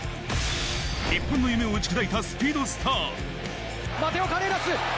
日本の夢を打ち砕いたスピードスター。